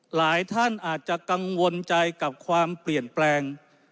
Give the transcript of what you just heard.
หลายท่านอาจจะกังวลใจกับความเปลี่ยนแปลง